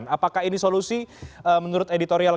apakah ini solusi menurut editorial